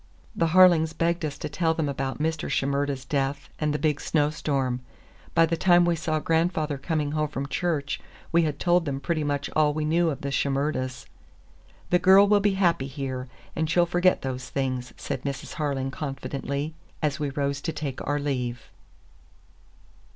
The Harlings begged us to tell them about Mr. Shimerda's death and the big snowstorm. By the time we saw grandfather coming home from church we had told them pretty much all we knew of the Shimerdas. "The girl will be happy here, and she'll forget those things," said Mrs. Harling confidently, as we rose to take our leave.